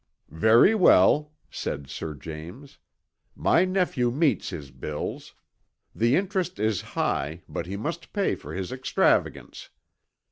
"Very well," said Sir James. "My nephew meets his bills. The interest is high, but he must pay for his extravagance.